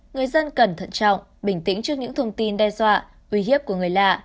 người dân cần thận trọng bình tĩnh trước những thông tin đe dọa uy hiếp của người lạ